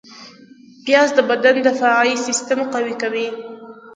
پیاز د بدن دفاعي سیستم قوي کوي